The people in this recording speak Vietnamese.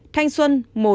thanh xuân một